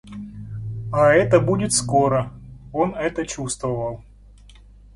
А это будет скоро, он это чувствовал.